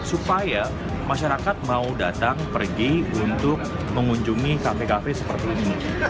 supaya masyarakat mau datang pergi untuk mengunjungi kafe kafe seperti ini